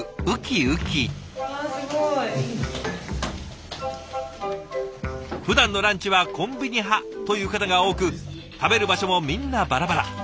わすごい。ふだんのランチはコンビニ派という方が多く食べる場所もみんなバラバラ。